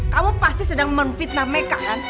kamu pasti sedang memfitnah mereka kan